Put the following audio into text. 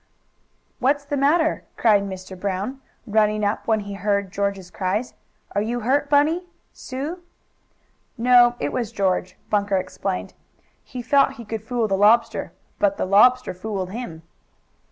"What's the matter?" cried Mr. Brown, running up when he heard George's cries. "Are you hurt, Bunny Sue?" "No, it was George," Bunker explained. "He thought he could fool the lobster, but the lobster fooled him."